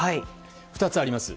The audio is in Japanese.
２つあります。